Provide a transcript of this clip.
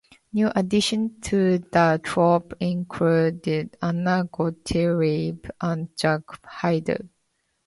New additions to the troupe included Anna Gottlieb and Jakob Haibel.